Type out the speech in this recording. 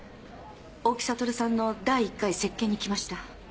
大木悟さんの第一回接見にきました。